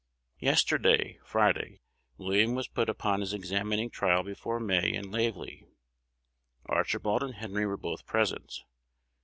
Yesterday (Friday) William was put upon his examining trial before May and Lavely. Archibald and Henry were both present.